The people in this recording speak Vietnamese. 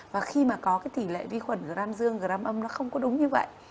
và khi mà có cái tỷ lệ vi khuẩn gram dương gram âm nó không có đúng như vậy